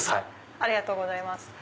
ありがとうございます。